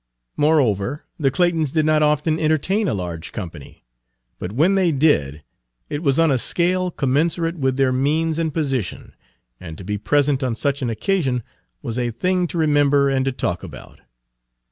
Moreover, the Claytons did not often entertain a large company, but when they did, it was on a scale commensurate with their means and position, and to be present on such an occasion was a thing to remember and to talk about.